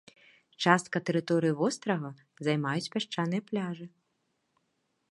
Частка тэрыторыі вострава займаюць пясчаныя пляжы.